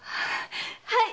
はい。